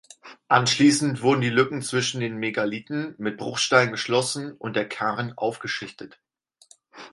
Anschließend wurden die Lücken zwischen den Megalithen mit Bruchsteinen geschlossen und der Cairn aufgeschichtet.